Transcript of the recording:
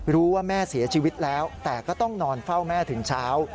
แม่เสียชีวิตแล้วแต่ก็ต้องนอนเฝ้าแม่ถึงเช้า